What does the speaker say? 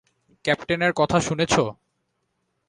ক্যাপ্টেনের কথা শুনেছ।